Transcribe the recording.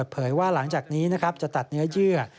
ว่าหลังจากนี้จะตัดเนื้อเยื่อ